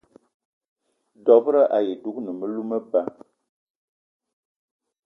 Dob-ro ayi dougni melou meba.